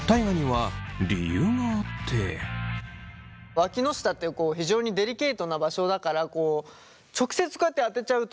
わきの下ってこう非常にデリケートな場所だからこう直接こうやって当てちゃうと。